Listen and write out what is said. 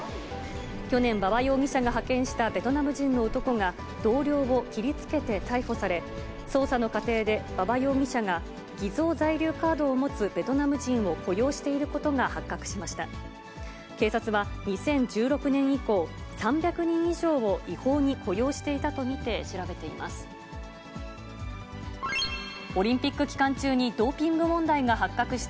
去年、馬場容疑者が派遣したベトナム人の男が、同僚を切りつけて逮捕され、捜査の過程で馬場容疑者が、偽造在留カードを持つベトナム人を雇用していることが発覚しました。